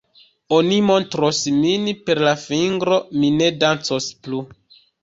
Oni montros min per la fingro; mi ne dancos plu.